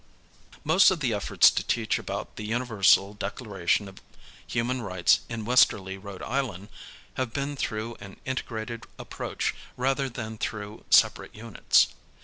Most of the efforts to teach about the Universal Declaration of Human Rights in Westerly, R. I., have been through an integrated approach rather than through separate units.